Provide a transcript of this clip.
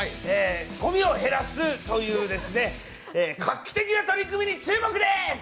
ごみを減らすという画期的な取り組みに注目です！